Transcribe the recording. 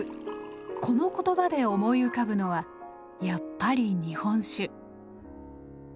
この言葉で思い浮かぶのはやっぱり「日本酒」。